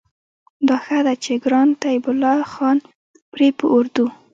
دا ښه ده چې ګران طيب الله خان پرې په اردو